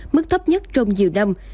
mức thấp nhất trong nhiều năm